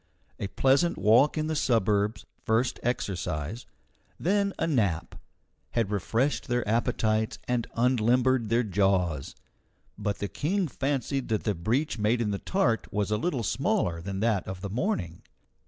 A pleasant walk in the suburbs first exercise then a nap, had refreshed their appetites and unlimbered their jaws. But the King fancied that the breach made in the tart was a little smaller than that of the morning.